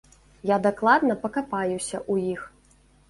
Я дакладна пакапаюся ў іх.